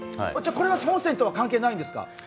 これは本筋とは関係ないんですか？